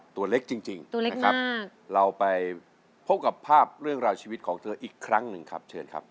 ตัวเล็กจริงเราไปพบกับภาพเรื่องราวชีวิตของเธออีกครั้งหนึ่งครับ